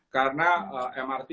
karena mrt punya tanggung jawab sendiri